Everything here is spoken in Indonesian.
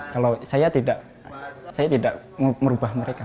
kalau saya tidak mau merubah mereka